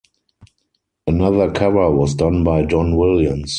Another cover was done by Don Williams.